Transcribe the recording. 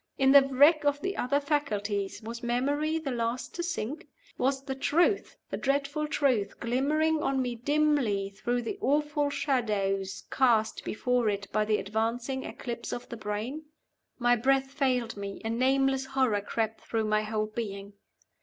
In the wreck of the other faculties, was memory the last to sink? Was the truth, the dreadful truth, glimmering on me dimly through the awful shadow cast before it by the advancing, eclipse of the brain? My breath failed me; a nameless horror crept through my whole being.